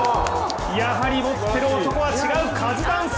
やはり持ってる男は違う、カズダンス。